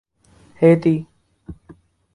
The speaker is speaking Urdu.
ہیتی